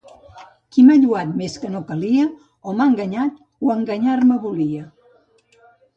Qui m'ha lloat més que no calia, o m'ha enganyat o enganyar-me volia.